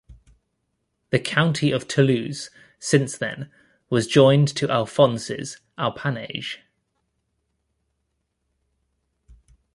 The county of Toulouse, since then, was joined to Alphonse's "appanage".